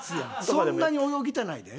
そんなに泳ぎたないで。